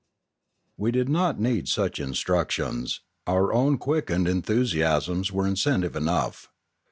We did not need such instructions; our own quick ened enthusiasms were incentive enough.